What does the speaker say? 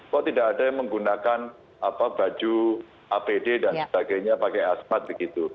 kok tidak ada yang menggunakan baju apd dan sebagainya pakai asmat begitu